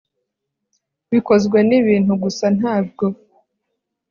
bikozwe nibintu gusa ntabwo